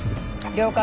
了解